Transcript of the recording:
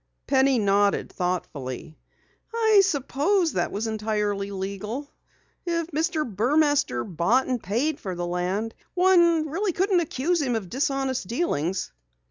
Penny nodded thoughtfully. "I suppose that was entirely legal. If Mr. Burmaster bought and paid for the land one couldn't accuse him of dishonest dealings."